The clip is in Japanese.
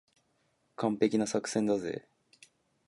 完璧な作戦だぜ。